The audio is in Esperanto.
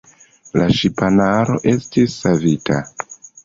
La ŝipanaro estis savita.